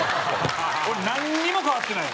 なんにも変わってない。